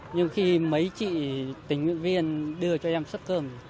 nhưng khi mấy chị tỉnh nguyện viên đưa cho em suất cơm